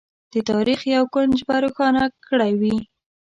د تاریخ یو کونج به روښانه کړی وي.